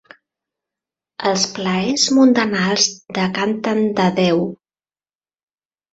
Els plaers mundanals decanten de Déu.